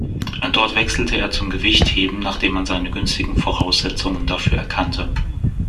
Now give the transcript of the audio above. Dort wechselte er zum Gewichtheben, nachdem man seine günstigen Voraussetzungen dafür erkannte.